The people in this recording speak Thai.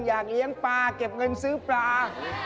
อยากเลี้ยงปลาเก็บเงินซื้อปลา